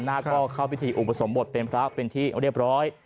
นาคก็เข้าพิธีอุปสมบทเป็นพระเป็นที่เรียบร้อย